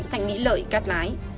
thành mỹ lợi cát lái